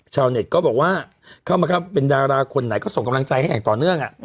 เน็ตก็บอกว่าเข้ามาเป็นดาราคนไหนก็ส่งกำลังใจให้อย่างต่อเนื่อง